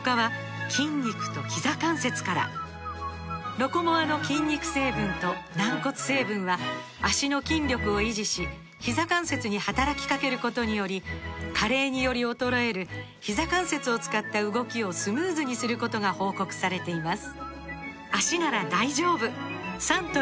「ロコモア」の筋肉成分と軟骨成分は脚の筋力を維持しひざ関節に働きかけることにより加齢により衰えるひざ関節を使った動きをスムーズにすることが報告されています